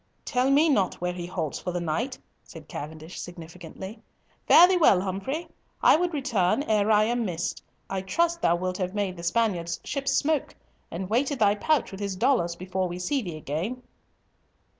"Tell me not where he halts for the night," said Cavendish significantly. "Fare thee well, Humfrey. I would return ere I am missed. I trust thou wilt have made the Spaniard's ships smoke, and weighted thy pouch with his dollars, before we see thee again."